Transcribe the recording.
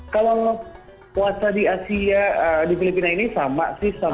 kalau puasa di asia di filipina ini sama sih